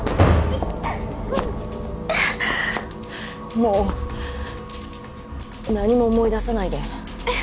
もう何も思い出さないでうっ